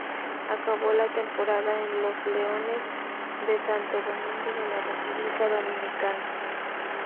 Acabó la temporada en los Leones de Santo Domingo de la República Dominicana.